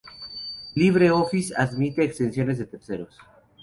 LibreOffice admite extensiones de terceros.